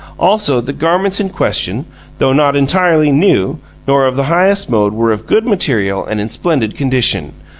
Also, the garments in question, though not entirely new, nor of the highest mode, were of good material and in splendid condition.